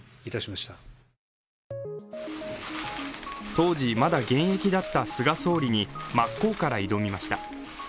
当時、まだ現役だった菅総理に真っ向から挑みました。